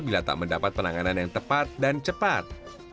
bila tak mendapat penanganan yang tepat dan cepat